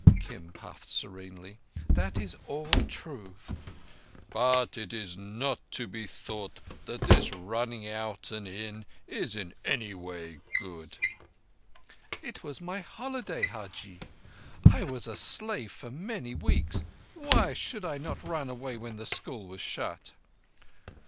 Kim pulled serenely. "That is true." "But it is not to be thought that this running out and in is any way good." "It was my holiday, Hajji. I was a slave for many weeks. Why should I not run away when the school was shut?